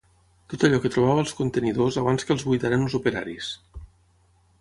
Tot allò que trobava als contenidors abans que els buidaren els operaris.